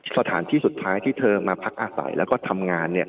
สถานที่สุดท้ายที่เธอมาพักอาศัยแล้วก็ทำงาน